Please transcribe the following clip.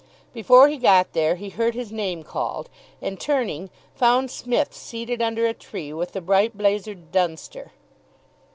Before he got there he heard his name called, and turning, found Psmith seated under a tree with the bright blazered Dunster.